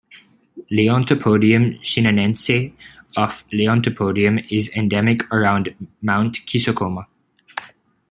Leontopodium shinanense of "Leontopodium" is endemic around Mount Kisokoma.